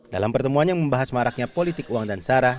dalam pertemuan yang membahas maraknya politik uang dan sarah